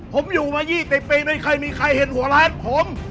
ผมอยู่มา๒๐ปีไม่เคยมีใครเห็นหัวล้านผม